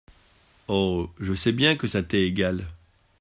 Oh ? je sais bien que ça t’est égal !…